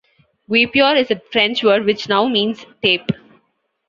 Guipure is a French word, which now means tape.